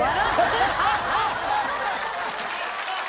ハハハハハ！